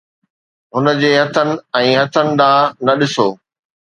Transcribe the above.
هن جي هٿن ۽ هٿن ڏانهن نه ڏسو